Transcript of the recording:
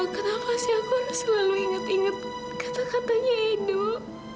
kenapa sih aku harus selalu inget inget kata katanya edo